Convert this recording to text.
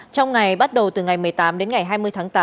trong ngày bắt đầu từ ngày một mươi tám đến ngày hai mươi tháng tám